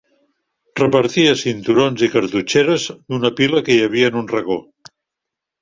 Repartia cinturons i cartutxeres, d'una pila que hi havia en un racó.